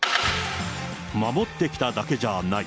守ってきただけじゃない。